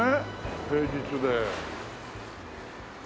平日で。